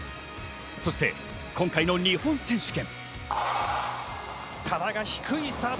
そして今回の日本選手権。